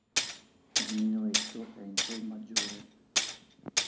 Il minuetto è in sol maggiore.